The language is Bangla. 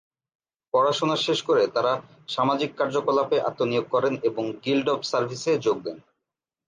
পড়াশোনা শেষ করে তারা সামাজিক কার্যকলাপে আত্মনিয়োগ করেন এবং গিল্ড অব সার্ভিসে যোগ দেন।